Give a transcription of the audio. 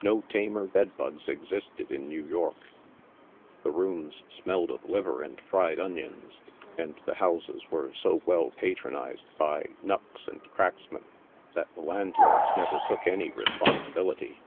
No tamer bed bugs existed in New York ; the rooms smelled of liver and fried onions, and the houses were so well patronized by " knucks" and " cracksmen" that the landlords never took any responsibility.